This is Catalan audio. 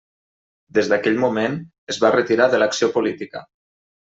Des d'aquell moment es va retirar de l'acció política.